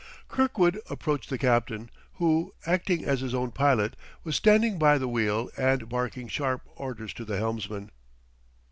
Kirkwood approached the captain, who, acting as his own pilot, was standing by the wheel and barking sharp orders to the helmsman.